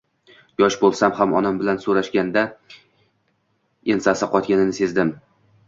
Yosh bo`lsam ham onam bilan so`rashganda ensasi qotganini sezdim